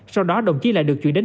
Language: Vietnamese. sau đó đồng chí lại được chuyển đến